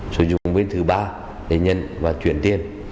sử dụng bên thứ ba để nhận và chuyển tiền